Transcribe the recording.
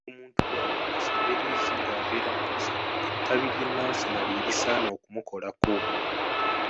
Omuntu bw’aba asabye liizi nga abeera Nansana, ettabi ly'e Nansana ly'erisaana okumukolako.